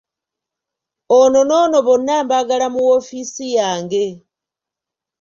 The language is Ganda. Ono n’ono bonna mbaagala mu woofiisi yange.